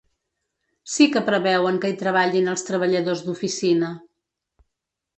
Sí que preveuen que hi treballin els treballadors d’oficina.